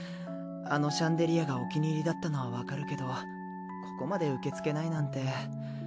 あのシャンデリアがお気に入りだったのはわかるけどここまで受け付けないなんて。